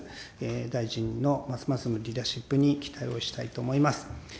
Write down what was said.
大臣のますますのリーダーシップに期待をしたいと思います。